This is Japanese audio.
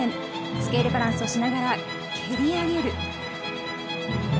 スケールバランスをしながら蹴り上げる。